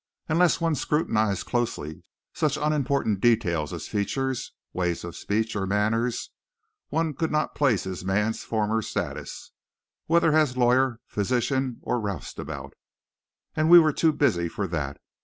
Unless one scrutinized closely such unimportant details as features, ways of speech or manners, one could not place his man's former status, whether as lawyer, physician or roustabout. And we were too busy for that.